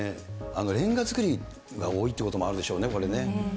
レンガ造りが多いってこともあるでしょうね、これね。